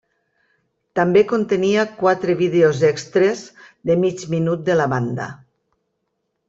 També contenia quatre vídeos extres de mig minut de la banda.